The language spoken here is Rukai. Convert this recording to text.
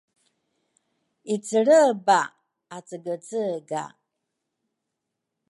icelreba! acegecega!